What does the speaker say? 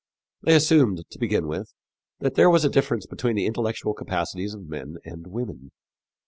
They assumed, to begin with, that there was a difference between the intellectual capacities of men and women.